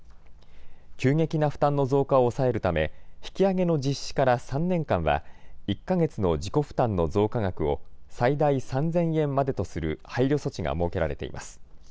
急激な負担の増加を抑えるため引き上げの実施から３年間は１か月の自己負担の増加額を最大３０００円までとする配慮措置が設けられています。